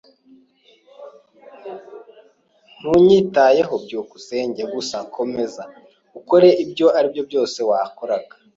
Ntunyitayeho, byukusenge. Gusa komeza ukore ibyo aribyo byose wakoraga.